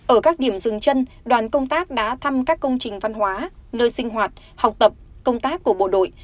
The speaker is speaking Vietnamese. ở các điểm dừng chân đoàn công tác đã thăm các công trình văn hóa nơi sinh hoạt học tập công tác của bộ đội